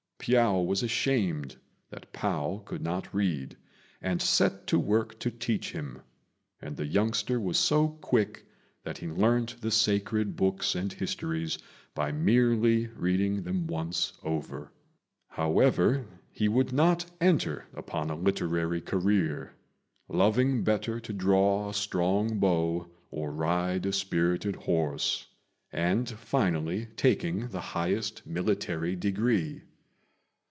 Piao was ashamed that Pao could not read, and set to work to teach him; and the youngster was so quick that he learnt the sacred books and histories by merely reading them once over. However, he would not enter upon a literary career, loving better to draw a strong bow or ride a spirited horse, and finally taking the highest military degree.